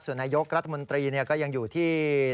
ส่วนนายกรัฐมนตรีก็ยังอยู่ที่